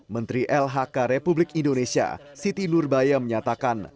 menteri lhk republik indonesia siti nurbaya menyatakan